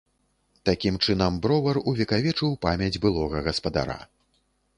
Такім чынам бровар увекавечыў памяць былога гаспадара.